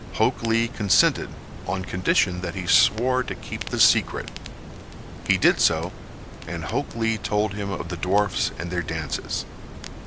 Hok Lee consented on condition that he swore to keep the secret. He did so, and Hok Lee told him of the dwarfs and their dances.